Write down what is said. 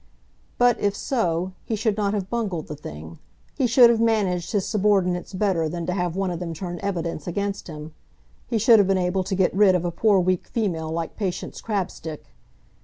But, if so, he should not have bungled the thing. He should have managed his subordinates better than to have one of them turn evidence against him. He should have been able to get rid of a poor weak female like Patience Crabstick.